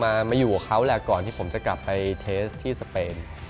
มาอยู่กับเขาแหละก่อนที่ผมจะกลับไปเทสที่สเปน